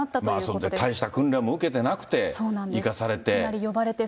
そこで大した訓練も受けてなくて行かされて。